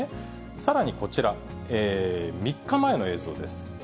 さらにこちら、３日前の映像です。